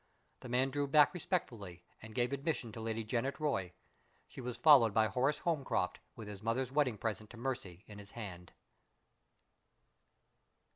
The man drew back respectfully, and gave admission to Lady Janet Roy. She was followed by Horace Holmcroft with his mother's wedding present to Mercy in his hand.